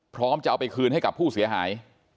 จะเอาไปคืนให้กับผู้เสียหาย